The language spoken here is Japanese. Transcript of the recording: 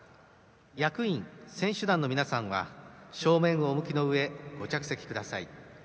役員・選手団の皆さんは正面をお向きのうえご着席ください。